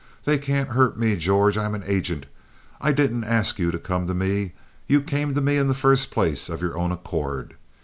They can't hurt me, George. I'm an agent. I didn't ask you to come to me. You came to me in the first place of your own accord.